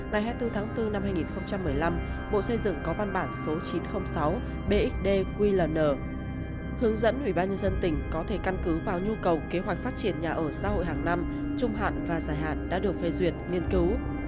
ngày hai mươi bốn tháng bốn năm hai nghìn một mươi năm bộ xây dựng có văn bản số chín trăm linh sáu bxd qln hướng dẫn ubnd tỉnh có thể căn cứ vào nhu cầu kế hoạch phát triển nhà ở xã hội hàng năm trung hạn và dài hạn đã được phê duyệt nghiên cứu